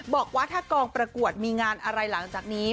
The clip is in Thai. บอกว่าถ้ากองประกวดมีงานอะไรหลังจากนี้